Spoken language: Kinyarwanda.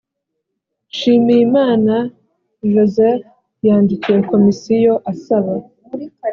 nshimiyimana joseph yandikiye komisiyo asaba